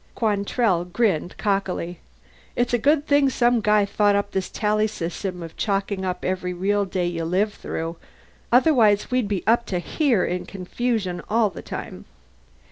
Quantrell grinned cockily. "It's a good thing some guy thought up this Tally system of chalking up every real day you live through. Otherwise we'd be up to here in confusion all the time."